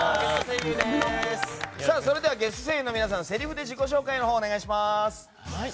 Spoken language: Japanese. それではゲスト声優の皆さんせりふで自己紹介をお願いします。